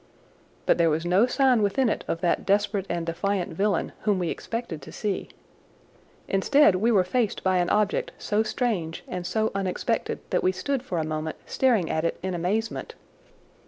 But there was no sign within it of that desperate and defiant villain whom we expected to see. Instead we were faced by an object so strange and so unexpected that we stood for a moment staring at it in amazement.